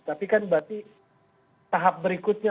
tapi kan berarti tahap berikutnya